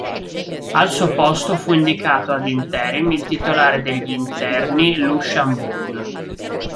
Al suo posto fu indicato ad interim il titolare degli interni Lucian Bode.